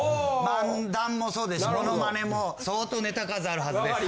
漫談もそうですしモノマネも相当ネタ数あるはずです。